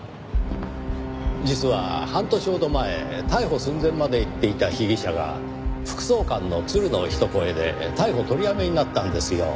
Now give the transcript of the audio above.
実は半年ほど前逮捕寸前までいっていた被疑者が副総監の鶴の一声で逮捕取りやめになったんですよ。